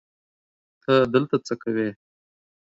ته دلته څه کوی